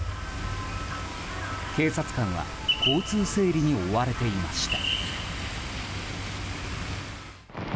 警察官は交通整理に追われていました。